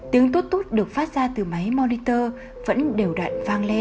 tiếng tút tút được phát ra từ máy monitor vẫn đều đạn vang lên